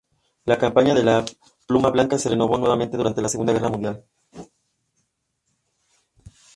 La campaña de la pluma blanca se renovó brevemente durante la Segunda Guerra Mundial.